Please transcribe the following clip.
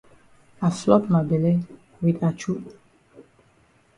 I flop ma bele wit achu.